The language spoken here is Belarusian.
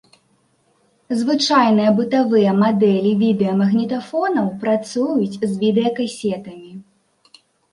Звычайныя бытавыя мадэлі відэамагнітафонаў працуюць з відэакасетамі.